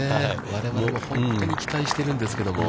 我々も本当に期待しているんですけれども。